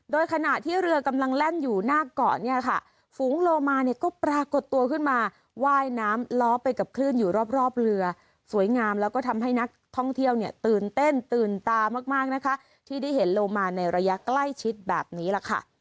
โดยขณะที่เรือกำลังแล่นอยู่หน้าเกาะเนี่ยค่ะฝูงโลมาเนี่ยก็ปรากฏตัวขึ้นมาว่ายน้ำล้อไปกับคลื่นอยู่รอบเรือสวยงามแล้วก็ทำให้นักท่องเที่ยวเนี่ยตื่นเต้นตื่นตามากนะคะที่ได้เห็นโลมาในระยะใกล้ชิดแบบนี้แหละค่ะ